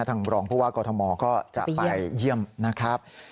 ทางโรงพยาบาลเพราะว่ากอทมก็จะไปเยี่ยมนะครับ